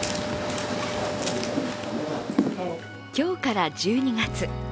今日から１２月。